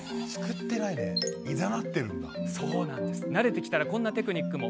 慣れてきたらこんなテクニックも。